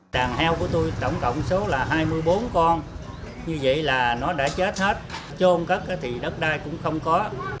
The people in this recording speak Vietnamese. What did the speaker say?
đàn heo của tôi tổng cộng số là hai mươi bốn con như vậy là nó đã chết hết trôn cất thì đất đai cũng không có